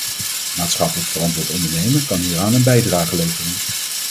Maatschappelijk verantwoord ondernemen kan hieraan een bijdrage leveren.